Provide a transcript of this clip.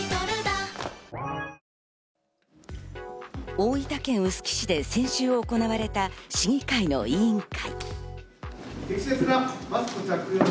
大分県臼杵市で先週行われた市議会の委員会。